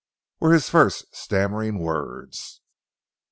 were his first stammering words.